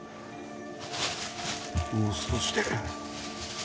もう少しで